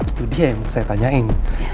itu dia yang saya tanyain